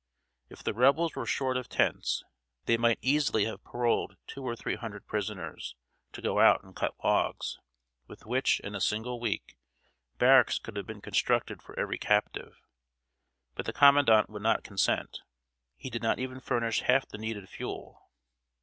If the Rebels were short of tents, they might easily have paroled two or three hundred prisoners, to go out and cut logs, with which, in a single week, barracks could have been constructed for every captive; but the Commandant would not consent. He did not even furnish half the needed fuel.